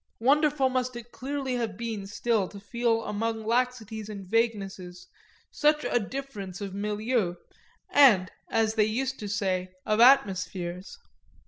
Wonderful must it clearly have been still to fed amid laxities and vaguenesses such a difference of milieux and, as they used to say, of atmospheres.